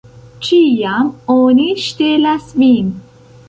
Ĉiam oni ŝtelas vin!